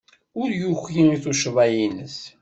Ur yuki i tuccḍa-nnes.